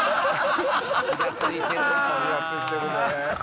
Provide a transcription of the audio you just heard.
イラついてるね。